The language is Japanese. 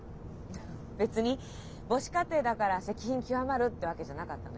別に母子家庭だから赤貧窮まるってわけじゃなかったのよ。